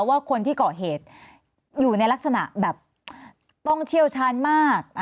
ว่าคนที่เกาะเหตุอยู่ในลักษณะแบบต้องเชี่ยวชาญมาก